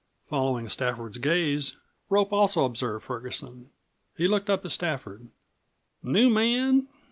Following Stafford's gaze, Rope also observed Ferguson. He looked up at Stafford. "New man?"